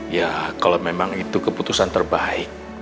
ya kalau memang itu keputusan terbaik